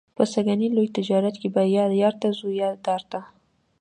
په سږني لوی تجارت کې به یا یار ته څو یا دار ته.